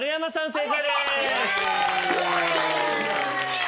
正解です！